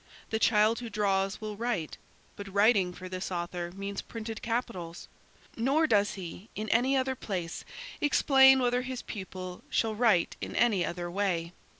The child who draws, will write. But writing, for this author, means printed capitals! Nor does he, in any other place, explain whether his pupil shall write in any other way.